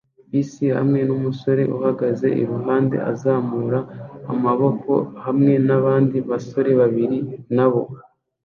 Bisi hamwe numusore uhagaze iruhande azamura amaboko hamwe nabandi basore babiri nabo